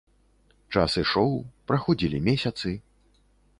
Час ішоў, праходзілі месяцы.